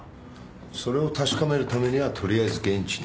それを確かめるためにはとりあえず現地に行く必要がある。